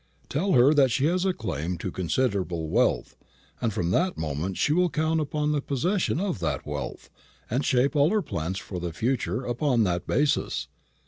Tell her that she has a claim to considerable wealth, and from that moment she will count upon the possession of that wealth, and shape all her plans for the future upon that basis.